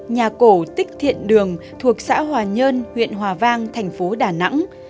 nhà cổ tích thiện đường thuộc xã hòa nhơn huyện hòa vang thành phố đà nẵng